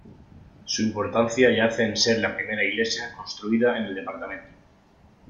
Su importancia yace en ser la primera iglesia construida en el departamento.